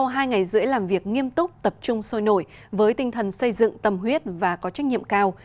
sau hai ngày rưỡi làm việc nghiêm túc tập trung sôi nổi với tinh thần xây dựng tâm huyết và có trách nhiệm cao